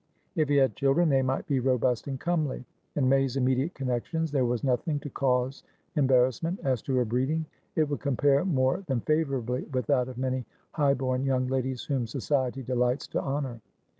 If he had children, they might be robust and comely. In May's immediate connections, there was nothing to cause embarrassment; as to her breeding it would compare more than favourably with that of many high born young ladies whom Society delights to honour.